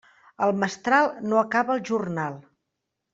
El mestral no acaba el jornal.